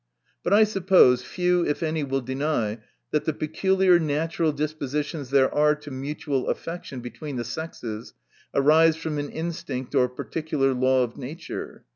But 1 sup pose, few (if any) will deny, that the peculiar natural dispositions there are to mutual affection between the sexes, arise from an instinct or particular law of nature.